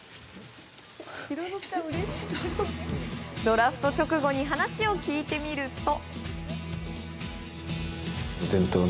ドラフト直後に話を聞いてみると。